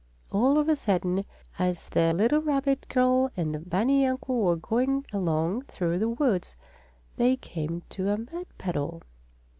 All of a sudden, as the little rabbit girl and the bunny uncle were going along through the woods, they came to a mud puddle.